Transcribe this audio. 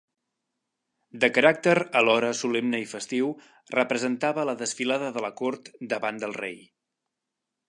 De caràcter alhora solemne i festiu, representava la desfilada de la cort davant del rei.